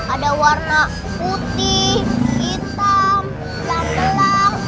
ada warna putih hitam jambelang